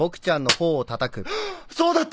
そうだった！